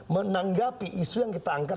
menanggapi isu yang kita angkat